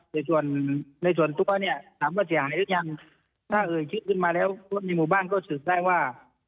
แต่ส่วนในส่วนตัวเนี่ยถามว่าเสียหายหรือยังถ้าเอ่ยชื่อขึ้นมาแล้วคนในหมู่บ้านก็สืบได้ว่า